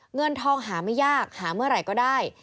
เงินทองหาไม่ยากหาเมื่อไหร่ก็ได้